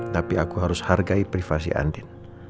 tapi aku harus hargai privasi andin